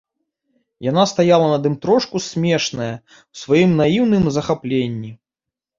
Яна стаяла над ім трошку смешная ў сваім наіўным захапленні.